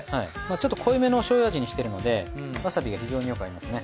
ちょっと濃いめのおしょうゆ味にしてるのでわさびが非常によく合いますね。